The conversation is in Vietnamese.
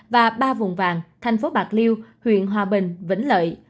và ba vùng vàng thành phố bạc liêu huyện hòa bình vĩnh lợi